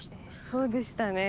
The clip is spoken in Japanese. そうでしたね。